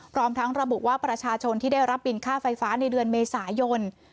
พร้อมทั้งระบุว่าประชาชนที่ได้รับบินค่าไฟฟ้าในเดือนเมษายน